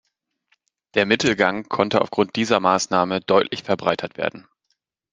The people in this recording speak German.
Der Mittelgang konnte aufgrund dieser Maßnahme deutlich verbreitert werden.